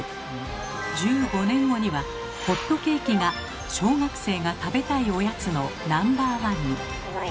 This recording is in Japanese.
１５年後にはホットケーキが「小学生が食べたいオヤツ」のナンバーワンに。